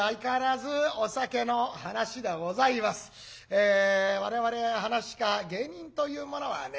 え我々噺家芸人というものはね